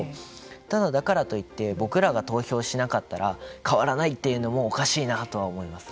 ただ、だからといって僕らが投票しなかったら変わらないというのもおかしいなとは思います。